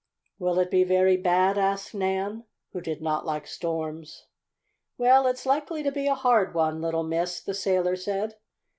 "Will it be very bad?" asked Nan, who did not like storms. "Well, it's likely to be a hard one, little Miss," the sailor said.